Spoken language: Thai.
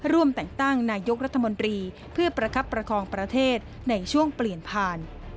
ร่วมแต่งตั้งนายกรัฐมนตรีเพื่อประคับประคองประเทศในช่วงเปลี่ยนผ่าน